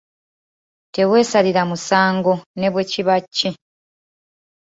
Teweesalira musango ne bwe kiba ki.